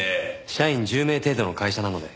社員１０名程度の会社なので。